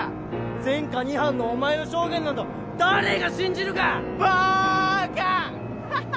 前科二犯のお前の証言など誰が信じるかバーカ！